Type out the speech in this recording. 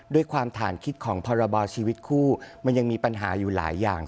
ด้วยความฐานคิดของพรบชีวิตคู่มันยังมีปัญหาอยู่หลายอย่าง